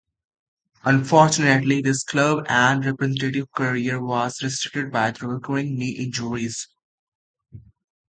Unfortunately, his club and representative career was restricted by recurring knee injuries.